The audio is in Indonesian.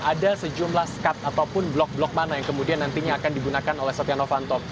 ada sejumlah sekat ataupun blok blok mana yang kemudian nantinya akan digunakan oleh setia novanto